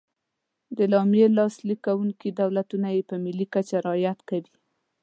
د اعلامیې لاسلیک کوونکي دولتونه یې په ملي کچه رعایت کوي.